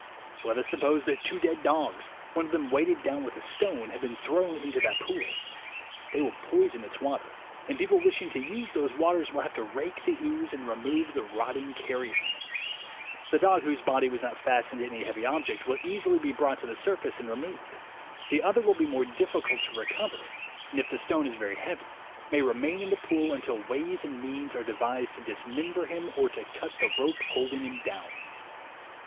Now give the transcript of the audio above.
Let us suppose that two dead dogs, one of them weighted down with a stone, have been thrown into that pool. They will poison its water, and people wishing to use those waters will have to rake the ooze and re move the rotting carrion. The dog whose body was THE WAY TO WILL POWER 93 not fastened to any heavy object will easily be brought to the surface and removed. The other will be more difficult to recover, and if the stone is very heavy, may remain in the pool until ways and means are devised to dismember him or to cut the rope holding him down."